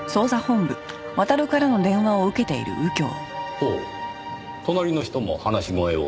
ほう隣の人も話し声を。